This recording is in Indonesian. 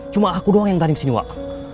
cuma aku doang yang gani kesini wak